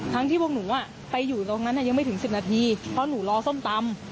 ที่พวกหนูไปอยู่ตรงนั้นยังไม่ถึง๑๐นาทีเพราะหนูรอส้มตำ